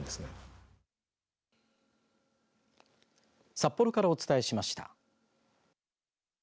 札幌からお伝えしました。